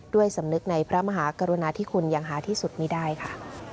สำนึกในพระมหากรุณาที่คุณอย่างหาที่สุดไม่ได้ค่ะ